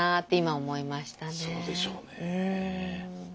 そうでしょうね。